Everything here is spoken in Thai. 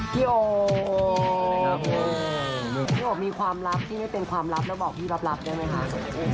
โอพี่โอมีความลับที่ไม่เป็นความลับแล้วบอกพี่รับได้ไหมคะ